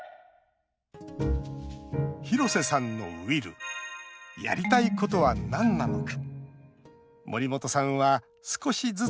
廣瀬さんのＷＩＬＬやりたいことは何なのか。